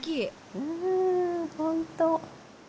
うん本当。